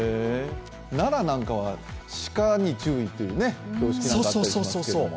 奈良なんかは、鹿に注意っていう標識があったりしますけど。